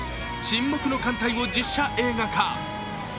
「沈黙の艦隊」を実写映画化。